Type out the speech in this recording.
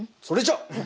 それじゃ！